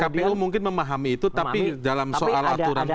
kpu mungkin memahami itu tapi dalam soal aturan